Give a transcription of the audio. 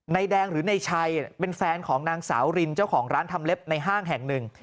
แดงหรือในชัยเป็นแฟนของนางสาวรินเจ้าของร้านทำเล็บในห้างแห่งหนึ่ง